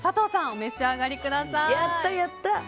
お召し上がりください。